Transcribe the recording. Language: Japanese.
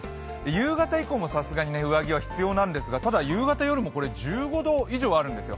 夕方以降も、さすがに上着は必要なんですが、ただ夕方、夜も１５度以上あるんですよ。